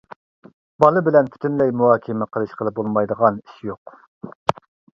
بالا بىلەن پۈتۈنلەي مۇھاكىمە قىلىشقىلى بولمايدىغان ئىش يوق.